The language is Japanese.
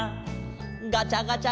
「ガチャガチャ